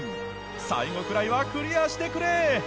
最後くらいはクリアしてくれ！